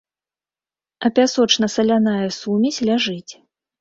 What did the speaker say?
А пясочна-саляная сумесь ляжыць.